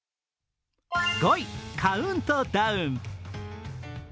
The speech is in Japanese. ５位、カウントダウン。